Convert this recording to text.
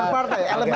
partai atau non partai